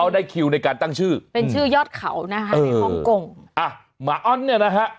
ได้คิวในการตั้งชื่อเป็นชื่อยอดเขานะฮะในฮ่องกงอ่ะหมาอ้อนเนี่ยนะฮะ